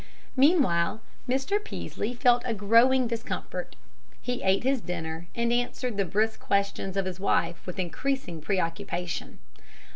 Meanwhile, Mr. Peaslee felt a growing discomfort. He ate his dinner and answered the brisk questions of his wife with increasing preoccupation.